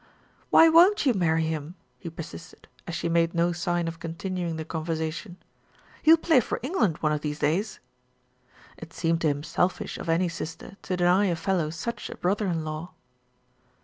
"Why won't you marry him?" he persisted, as she made no sign of continuing the conversation. "He'll play for England one of these days." It seemed to him selfish of any sister to deny a fellow such a brother in law.